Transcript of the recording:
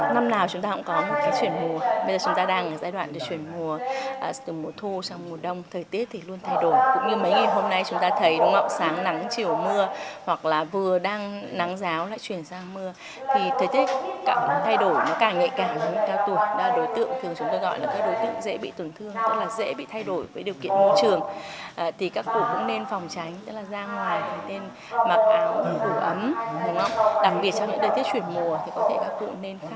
năm nào chúng ta cũng có một cái chuyển mùa bây giờ chúng ta đang ở giai đoạn chuyển mùa từ mùa thu sang mùa đông thời tiết thì luôn thay đổi cũng như mấy ngày hôm nay chúng ta thấy đúng không sáng nắng chiều mưa hoặc là vừa đang nắng giáo lại chuyển sang mưa thì thời tiết càng thay đổi nó càng nhạy càng cao tuổi đối tượng thường chúng ta gọi là đối tượng dễ bị tổn thương tức là dễ bị thay đổi với điều kiện môi trường thì các cụ cũng nên phòng tránh tức là ra ngoài phải tên mặc áo đủ ấm đặc biệt trong những thời tiết chuyển mùa thì có thể các cụ nên khắc